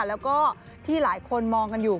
แล้วก็ที่หลายคนมองกันอยู่